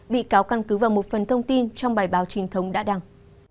bị cáo căn cứ vào một phần thông tin trong bài báo trinh thống đã đăng